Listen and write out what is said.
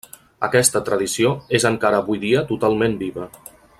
Aquesta tradició és encara avui dia totalment viva.